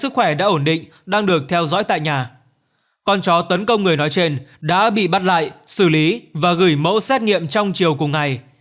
con chó tấn công người nói trên đã bị bắt lại xử lý và gửi mẫu xét nghiệm trong chiều cùng ngày